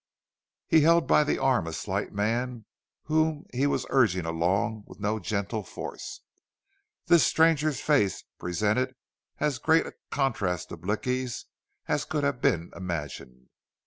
He held by the arm a slight man whom he was urging along with no gentle force. This stranger's face presented as great a contrast to Blicky's as could have been imagined.